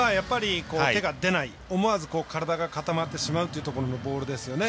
手が出ない、思わず体が固まってしまうというボールですよね。